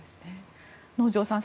能條さん